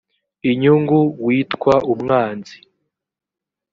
inyungu witwa umwanzi